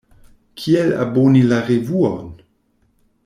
Kiel aboni la revuon?